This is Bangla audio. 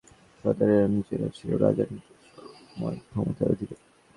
রাজতন্ত্রে রাজার প্রতিপক্ষ জলদস্যু সর্দারেরা নিজেরাও ছিল রাজার মতো সর্বময় ক্ষমতার অধিকারী।